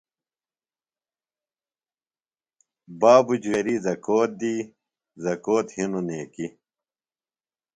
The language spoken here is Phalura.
بابوۡ جویری زکُوت دی، زکُوت ہِنوۡ نیکیۡ